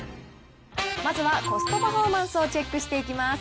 まずはコストパフォーマンスをチェックしていきます。